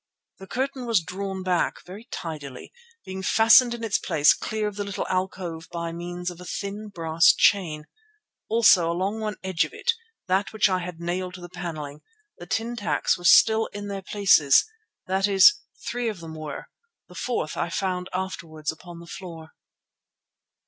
The curtain was drawn back, very tidily, being fastened in its place clear of the little alcove by means of a thin brass chain. Also along one edge of it, that which I had nailed to the panelling, the tin tacks were still in their places; that is, three of them were, the fourth I found afterwards upon the floor.